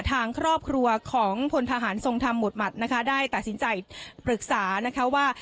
ทางครอบครัวของพลทหารทรงธรรมหมดหมัดนะคะได้ตัดสินใจปรึกษานะคะว่า